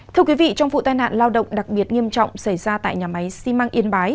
thưa quý vị trong vụ tai nạn lao động đặc biệt nghiêm trọng xảy ra tại nhà máy xi măng yên bái